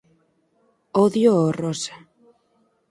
Odio o rosa